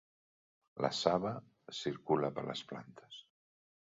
La saba circula per les plantes.